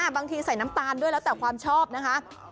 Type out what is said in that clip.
บางทีใส่น้ำตาลด้วยแล้วแต่ความชอบนะคะ